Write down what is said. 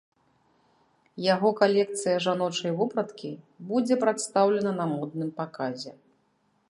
Яго калекцыя жаночай вопраткі будзе прадстаўлена на модным паказе.